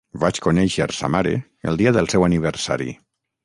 Vaig conéixer sa mare el dia del seu aniversari.